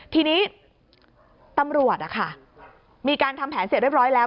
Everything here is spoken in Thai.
ทีนี้ตำรวจมีการทำแผนเสร็จเรียบร้อยแล้ว